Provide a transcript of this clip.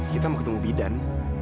kita mau ketemu bidan